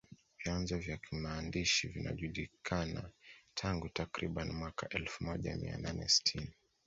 vyanzo vya kimaandishi vinajulikana tangu takriban mwaka elfu moja mia nane sitini